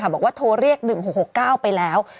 บอกว่าโทรเรียก๑๖๖๙ไปแล้ว